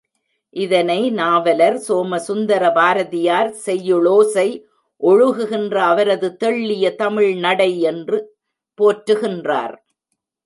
இதனை நாவலர் சோமசுந்தர பாரதியார் செய்யுளோசை ஒழுகுகின்ற அவரது தெள்ளிய தமிழ் நடை என்று போற்றுகின்றார்.